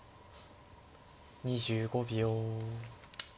２５秒。